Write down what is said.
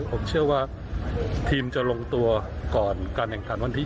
ผมเชื่อว่าทีมจะลงตัวก่อนการแข่งขันวันที่๒